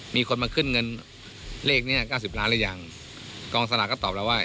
มีคนมาขึ้นเงินเลขเนี้ยเก้าสิบล้านหรือยังกองสลากก็ตอบแล้วว่า